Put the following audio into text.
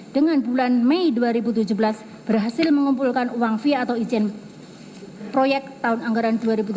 dengan bulan mei dua ribu tujuh belas berhasil mengumpulkan uang via atau izin proyek tahun anggaran dua ribu tujuh belas